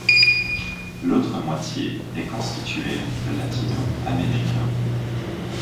L'autre moitié est constituée de latinos américains.